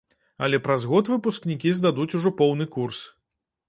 Але праз год выпускнікі здадуць ужо поўны курс.